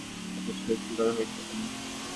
যথেষ্ট হৈচৈ করা হয়েছে এটা নিয়ে।